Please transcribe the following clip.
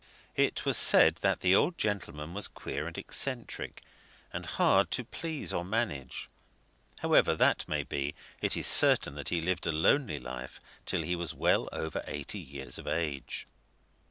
It was said that the old gentleman was queer and eccentric, and hard to please or manage; however that may be, it is certain that he lived a lonely life till he was well over eighty years of age.